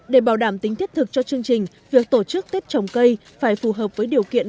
để bảo đảm tính thiết thực cho chương trình việc tổ chức tết trồng cây phải phù hợp với điều kiện